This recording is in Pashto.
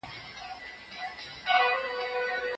اجتماعي واقعیت د انساني اړیکو په پرتله کم زحمت دی.